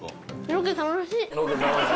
ロケ楽しい？